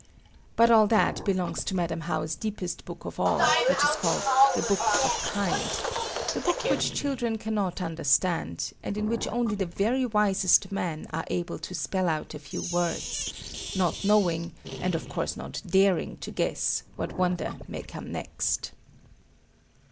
But all that belongs to Madam How's deepest book of all, which is called the BOOK OF KIND: the book which children cannot understand, and in which only the very wisest men are able to spell out a few words, not knowing, and of course not daring to guess, what wonder may come next.